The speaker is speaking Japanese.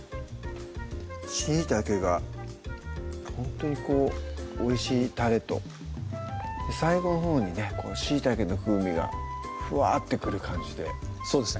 しいたけがほんとにこうおいしいたれと最後のほうにねしいたけの風味がふわって来る感じでそうですね